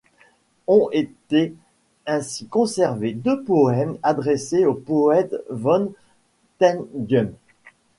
Ont été ainsi conservés deux poèmes adressés au poète Wen Tingyun.